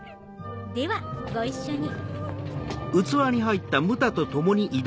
ではご一緒に。